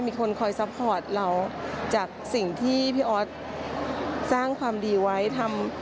มีคนคอยซัพพอร์ตเราจากสิ่งที่พี่ออสสร้างความดีไว้ทำ